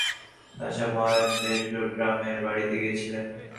স্বামীজীও পূর্ববঙ্গ ভ্রমণকালে নাগমহাশয়ের দেওভোগ গ্রামের বাড়ীতে গিয়াছিলেন।